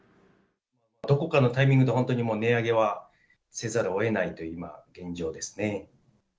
どこかのタイミングで、本当にもう値上げはせざるをえないという今、現状ですね。